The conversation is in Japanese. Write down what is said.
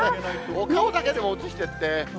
お顔だけでも映してって。